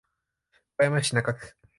岡山市中区